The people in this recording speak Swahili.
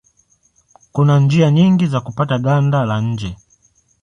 Kuna njia nyingi za kupata ganda la nje.